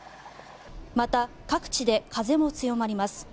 また、各地で風も強まります。